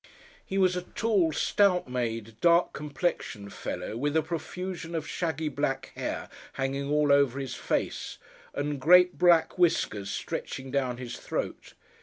He was a tall, stout made, dark complexioned fellow, with a profusion of shaggy black hair hanging all over his face, and great black whiskers stretching down his throat.